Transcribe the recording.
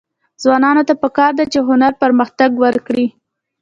ځوانانو ته پکار ده چې، هنر پرمختګ ورکړي.